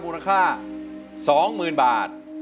มูลค่า๒หมื่นบาท